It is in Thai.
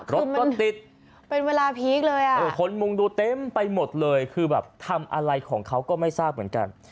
รถก็ติดเป็นเวลาพีคเลยอ่ะเออคนมุงดูเต็มไปหมดเลยคือแบบทำอะไรของเขาก็ไม่ทราบเหมือนกัน